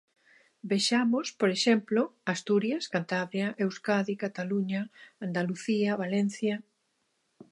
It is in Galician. Vexamos, por exemplo, Asturias, Cantabria, Euskadi, Cataluña, Andalucía Valencia.